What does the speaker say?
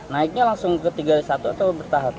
naiknya langsung ke tiga puluh satu atau bertahap